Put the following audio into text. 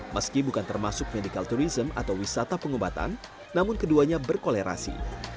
meski bukan termasuk medical tourism atau wisata pengobatan namun keduanya berkolerasi